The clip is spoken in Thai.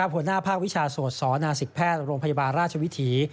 หัวหน้าภาควิชาโสดสนสิทธิแพทย์โรงพยาบาลราชวิถี